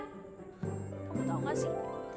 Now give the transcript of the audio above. kamu tau nggak sih